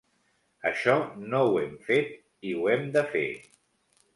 Això no ho hem fet i ho hem de fer.